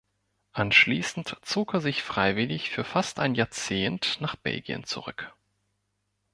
Anschließend zog er sich freiwillig für fast ein Jahrzehnt nach Belgien zurück.